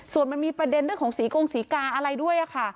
ส่วนมันมีประเด็นเรื่องของศรีกงศรีกาอะไรด้วยค่ะ